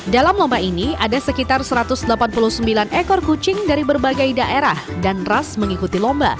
dalam lomba ini ada sekitar satu ratus delapan puluh sembilan ekor kucing dari berbagai daerah dan ras mengikuti lomba